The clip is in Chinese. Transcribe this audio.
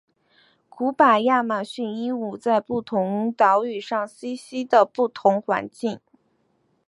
古巴亚马逊鹦鹉在不同的岛屿上栖息在不同的环境。